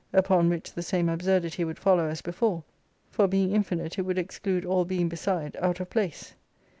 Upon which the same absurdity would follow as before, for being infinite it would exclude all Being beside out of place.